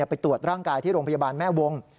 ไปตรวจร่างกายที่โรงพยาบาลแม่วง